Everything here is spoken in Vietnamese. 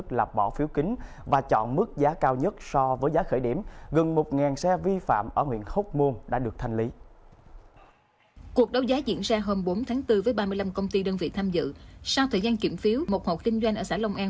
sau thời gian kiểm phiếu một hộp kinh doanh ở xã long an